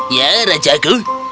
ya raja aku